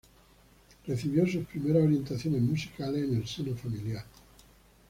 Recibió sus primeras orientaciones musicales en el seno familiar.